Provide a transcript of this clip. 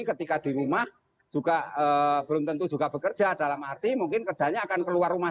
ketika di rumah juga belum tentu juga bekerja dalam arti mungkin kerjanya akan keluar rumah